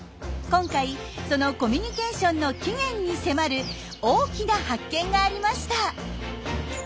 今回そのコミュニケーションの起源に迫る大きな発見がありました。